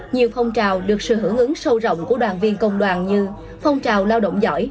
nhiều phong trào được sự hưởng ứng sâu rộng của đoàn viên công đoàn như phong trào lao động giỏi